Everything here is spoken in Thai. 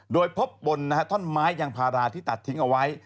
โดยพบบนท่อนไม้ยางพาราที่ตัดทิ้งเอาไว้